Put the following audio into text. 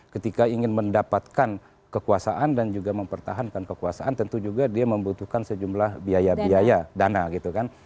ketika ingin mendapatkan kekuasaan dan juga mempertahankan kekuasaan tentu juga dia membutuhkan sejumlah biaya biaya dana gitu kan